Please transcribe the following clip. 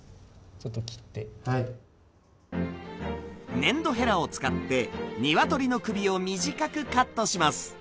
粘土ヘラを使ってにわとりの首を短くカットします。